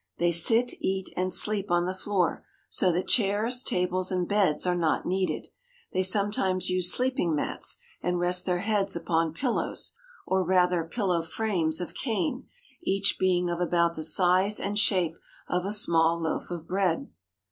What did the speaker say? They sit, eat, and sleep on the floor so that chairs, tables, and beds are not needed. They sometimes use sleeping mats, and rest their heads upon pillows, or rather pillow frames of cane, each being of about the size and shape of a small loaf of bread.